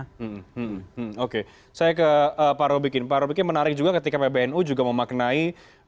hmm oke saya ke pak robikin pak robikin menarik juga ketika pbnu juga memaknai